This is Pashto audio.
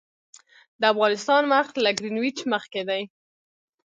د افغانستان وخت له ګرینویچ مخکې دی